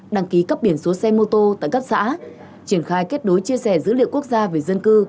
đăng ký cấp biển số xe mô tô tại các xã triển khai kết nối chia sẻ dữ liệu quốc gia về dân cư